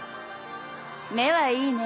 目はいいね。